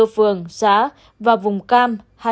bảy mươi bốn phường xá và vùng cam hai mươi hai